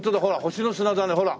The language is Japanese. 星の砂だねほら。